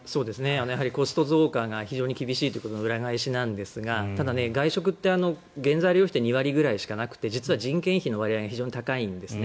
コスト増加が非常に厳しいということの裏返しなんですがただ、外食って原材料費って２割くらいしかなくて実は人件費の割合が非常に高いんですね。